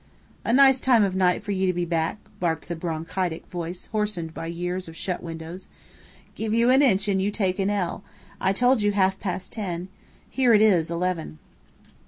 "A nice time of night for you to be back!" barked the bronchitic voice hoarsened by years of shut windows. "Give you an inch and you take an ell! I told you half past ten. Here it is eleven!"